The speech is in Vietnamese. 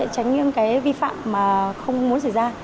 tránh những cái vi phạm mà không muốn xảy ra